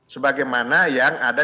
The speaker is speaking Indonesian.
sebagaimana yang ada